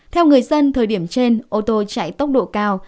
theo người dân thời điểm trên ô tô chạy tốc độ cao